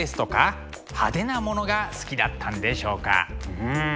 うん。